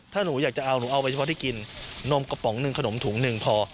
ถ้าหนูอยากจะเอานั่งเอาได้เฉพาะที่กินนมกระป๋อง๑ขนมถุง๑พอ